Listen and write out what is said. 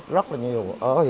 rất là nhiều